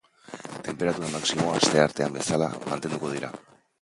Tenperatura maximoa asteartean bezala mantenduko dira.